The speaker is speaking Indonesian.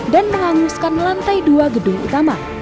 dan menganguskan lantai dua gedung utama